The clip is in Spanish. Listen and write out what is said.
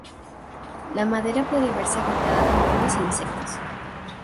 La madera puede verse afectada por hongos e insectos.